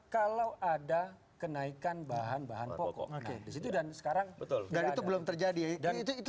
kalau ada kenaikan bahan bahan pokok maka disitu dan sekarang betul dan itu belum terjadi dan itu